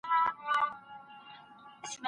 وسله والي نښتې کمې سوې وې.